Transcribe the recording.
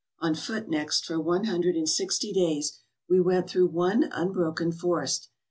On foot next for one hundred and sixty days we went through one unbroken forest.